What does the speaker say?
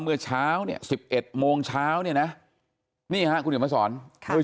เมื่อเช้าเนี่ย๑๑โมงเช้าเนี่ยนะนี่ค่ะคุณหิวมันสอนคุณผู้